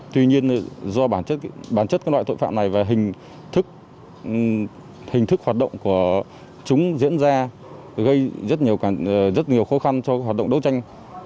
tuy nhiên do bản chất các loại tội phạm này và hình thức hoạt động của chúng diễn ra gây rất nhiều khó khăn cho hoạt động đấu tranh